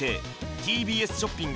ＴＢＳショッピング